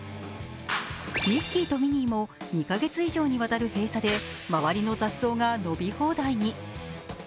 ミッキーとミニーも２カ月以上にわたる閉鎖で周りの雑草が伸び放題に。